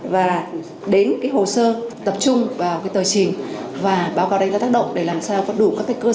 và đến cái hồ sơ tập trung vào tờ trình và báo cáo đánh giá tác động để làm sao có đủ các cơ sở